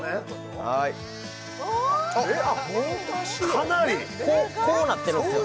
かなりこうなってるんすよ